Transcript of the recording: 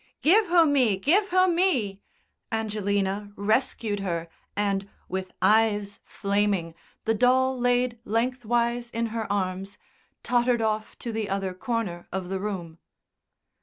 "Give her me! Give her me!" Angelina rescued her, and, with eyes flaming, the doll laid lengthways in her arms, tottered off to the other corner of the room.